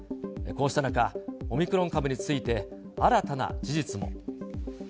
こうした中、オミクロン株について新たな事実も。